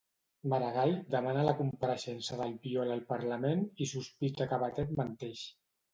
Maragall demana la compareixença d'Albiol al Parlament i sospita que Batet menteix.